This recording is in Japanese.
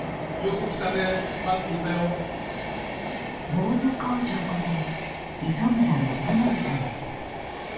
ぼうず校長こと磯村元信さんです。